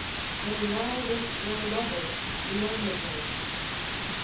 they lie with their lovers learnedly."